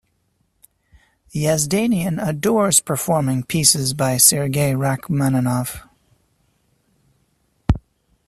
Yazdanian adores performing pieces by Sergei Rachmaninov.